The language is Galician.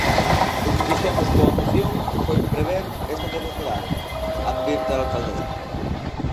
"O que fixemos coa moción foi prever esa necesidade", advirte a alcaldesa.